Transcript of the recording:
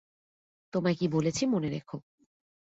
তোমায় কী বলেছি মনে রেখো।